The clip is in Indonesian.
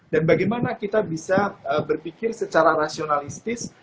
dan bagaimana kita bisa berpikir secara rasionalistis